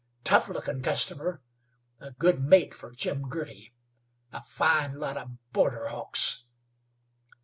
Tough lookin' customer; a good mate fer Jim Girty! A fine lot of border hawks!"